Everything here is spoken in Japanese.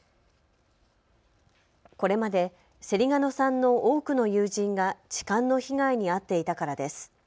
これまで芹ヶ野さんの多くの友人が痴漢の被害に遭っていたからです。